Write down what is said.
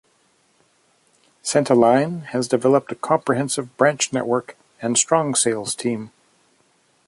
Centaline has developed a comprehensive branch network and strong sales team.